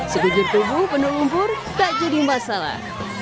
sekujur tubuh penuh lumpur tak jadi masalah